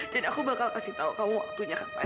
dan aku bakal kasih tau kamu waktunya kapan